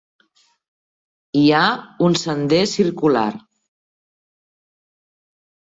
Hi ha un sender circular.